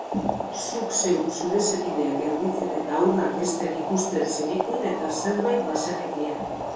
Zuk zeuk zure senideak erditzen eta haurrak hezten ikusten zenituen eta zerbait bazenekien.